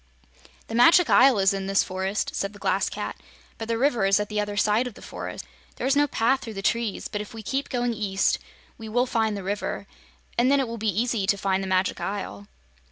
"The Magic Isle is in this forest," said the Glass Cat, "but the river is at the other side of the forest. There is no path through the trees, but if we keep going east, we will find the river, and then it will be easy to find the Magic Isle."